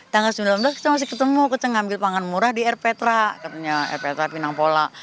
tanggal sembilan belas kita masih ketemu kita ngambil pangan murah di rptra katanya rptra pinang pola